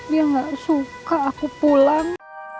dia gak suka aku pulang